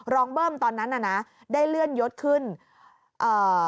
เบิ้มตอนนั้นน่ะนะได้เลื่อนยศขึ้นเอ่อ